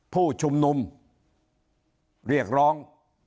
ผู้ชุมนุมเรียกร้อง